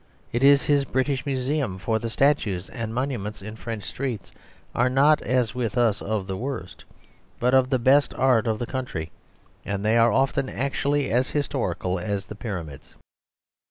It is his British Museum, for the statues and monuments in French streets are not, as with us, of the worst, but of the best, art of the country, and they are often actually as historical as the Pyramids.